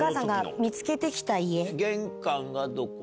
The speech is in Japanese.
玄関がどこ？